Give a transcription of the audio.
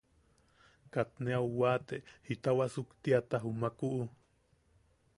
Kat ne au wate jita wasuktiata jumaku.